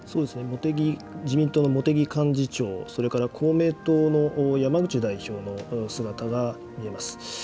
茂木、自民党の茂木幹事長、それから公明党の山口代表の姿が見えます。